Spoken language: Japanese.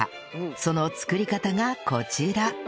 その作り方がこちら